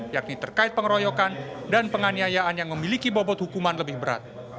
yakni terkait pengeroyokan dan penganiayaan yang memiliki bobot hukuman lebih berat